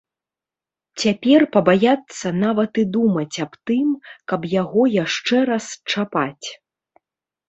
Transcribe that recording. Цяпер пабаяцца нават і думаць аб тым, каб яго яшчэ раз чапаць.